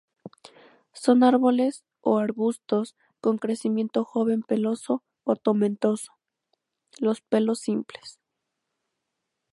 Son árboles o arbustos; con crecimiento joven peloso o tomentoso, los pelos simples.